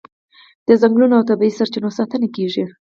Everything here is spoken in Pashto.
د ځنګلونو او طبیعي سرچینو ساتنه کیږي.